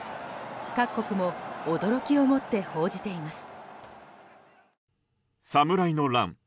各国も驚きをもって報じています。